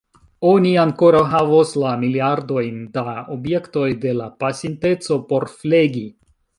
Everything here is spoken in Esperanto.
Oni ankoraŭ havos la miliardojn da objektoj de la pasinteco por flegi.